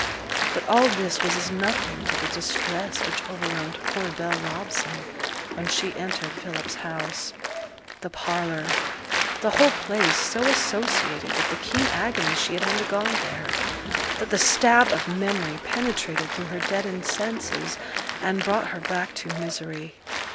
But all this was as nothing to the distress which overwhelmed poor Bell Robson when she entered Philip's house; the parlour the whole place so associated with the keen agony she had undergone there, that the stab of memory penetrated through her deadened senses, and brought her back to misery.